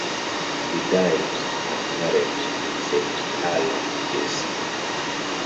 He died, unmarried, in Saint Helier, Jersey.